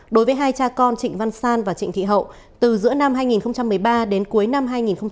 đối với hai cha con trịnh văn san và trịnh thị hậu từ giữa năm hai nghìn một mươi ba đến cuối năm hai nghìn một mươi tám